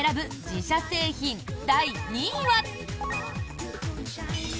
自社製品第２位は。